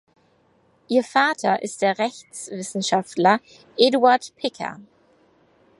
Ihr Vater ist der Rechtswissenschaftler Eduard Picker.